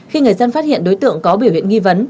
khi người dân phát hiện đối tượng có biểu hiện nghi vấn